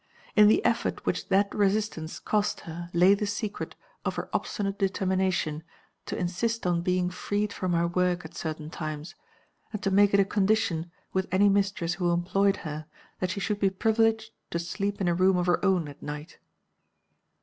In the effort which that resistance cost her lay the secret of her obstinate determination to insist on being freed from her work at certain times, and to make it a condition with any mistress who employed her that she should be privileged to sleep in a room of her own at night.